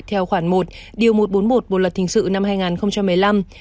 theo khoản một điều một trăm bốn mươi một bộ luật hình sự năm hai nghìn một mươi năm